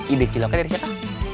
ide kilau kan dari siapa